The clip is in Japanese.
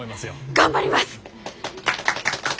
頑張ります！